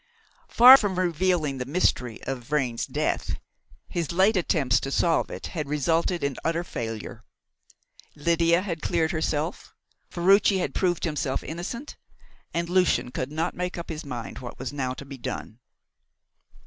Far from revealing the mystery of Vrain's death, his late attempts to solve it had resulted in utter failure. Lydia had cleared herself; Ferruci had proved himself innocent; and Lucian could not make up his mind what was now to be done.